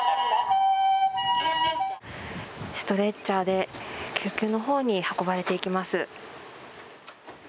ストレッチャーで救急のほうに運ばれていきます。